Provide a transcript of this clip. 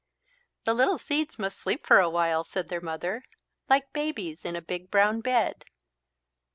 "The little seeds must sleep for a while," said their Mother, "like babies in a big brown bed."